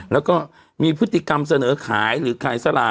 แล้วก็มีพฤติกรรมเสนอขายหรือขายสลาก